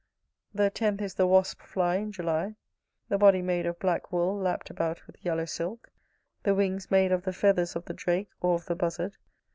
The tenth is the wasp fly in July; the body made of black wool, lapt about with yellow silk; the wings made of the feathers of the drake, or of the buzzard.